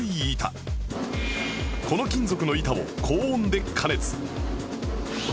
この金属の板を高温で加熱